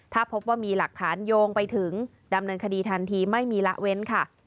ถ้าพบว่ามีหลักฐานโยงไปถึงดำเนินคดีทันทีไม่มีละเว้นค่ะ